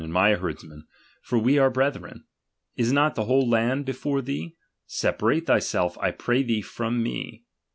id my herdmen; for we be brethren. Is not the whole land before thee ? Separate thyself, I pray thee from me.